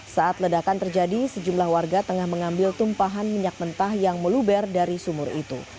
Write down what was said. saat ledakan terjadi sejumlah warga tengah mengambil tumpahan minyak mentah yang meluber dari sumur itu